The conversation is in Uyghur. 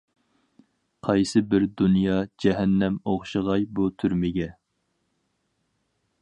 قايسى بىر دۇنيا جەھەننەم ئوخشىغاي بۇ تۈرمىگە؟ !